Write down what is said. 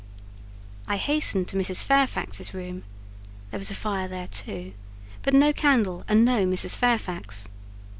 I hastened to Mrs. Fairfax's room; there was a fire there too, but no candle, and no Mrs. Fairfax.